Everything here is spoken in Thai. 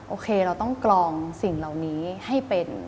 โอเคเราต้องกรองสิ่งเหล่านี้ให้เป็น